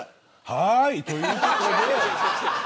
はあい、ということで。